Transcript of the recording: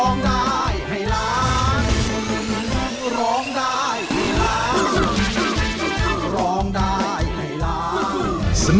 มึงร้องได้ให้ร้าง